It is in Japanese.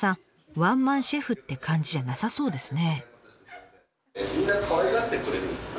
ワンマンシェフって感じじゃなさそうですね。